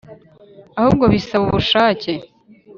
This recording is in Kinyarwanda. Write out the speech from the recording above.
ahubwo bisaba ubushake,